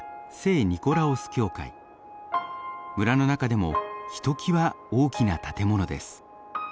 村の中でもひときわ大きな建物です。